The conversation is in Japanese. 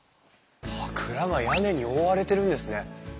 蔵が屋根に覆われてるんですね。